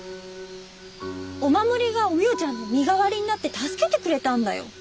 お守りがお美代ちゃんの身代わりになって助けてくれたんだよ。